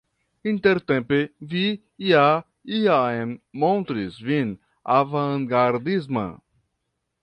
Intertempe vi ja jam montris vin avangardisma!